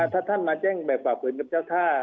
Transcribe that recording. ถ้าท่านมาแจ้งภาพเงินกับเจ้าท่า